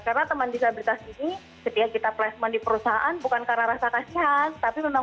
karena teman disabilitas ini setiap kita placement di perusahaan bukan karena rasa kasihan tapi memang